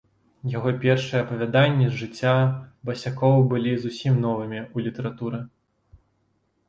Яго першыя апавяданні з жыцця басякоў былі зусім новымі ў літаратуры.